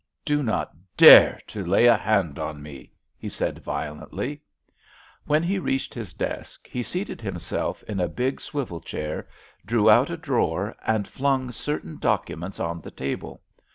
"Do not dare to lay a hand on me," he said violently. When he reached his desk he seated himself in a big swivel chair, drew out a drawer, and flung certain documents on the table.